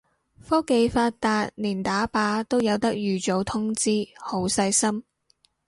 科技發達連打靶都有得預早通知，好細心